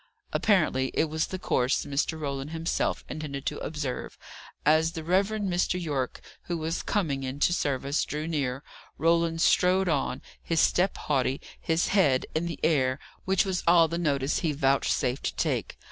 Apparently it was the course Mr. Roland himself intended to observe. As the Rev. Mr. Yorke, who was coming in to service, drew near, Roland strode on, his step haughty, his head in the air, which was all the notice he vouchsafed to take.